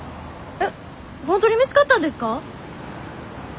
えっ本当に見つかったんですか？